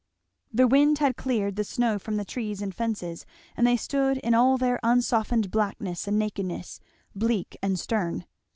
The wind had cleared the snow from the trees and fences, and they stood in all their unsoftened blackness and nakedness, bleak and stern.